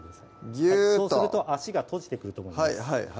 ギューッとそうすると脚が閉じてくると思います